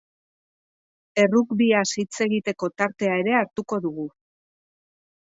Errugbiaz hitz egiteko tartea ere hartuko dugu.